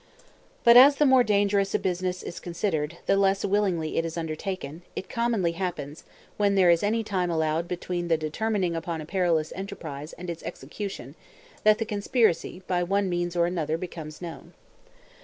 But, as the more a dangerous business is considered, the less willingly it is undertaken, it commonly happens, when there is any time allowed between the determining upon a perilous enterprise and its execution, that the conspiracy by one means or another becomes known.